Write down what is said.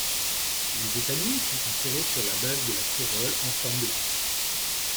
Les étamines sont insérées sur la base de la corolle en forme de roue.